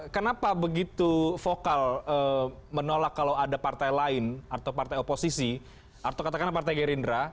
kenapa begitu vokal menolak kalau ada partai lain atau partai oposisi atau katakanlah partai gerindra